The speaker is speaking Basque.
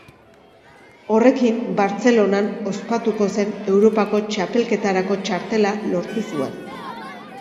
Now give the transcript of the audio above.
Horrekin, Bartzelonan ospatuko zen Europako Txapelketarako txartela lortu zuen.